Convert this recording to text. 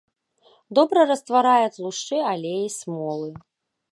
Добра растварае тлушчы, алеі, смолы.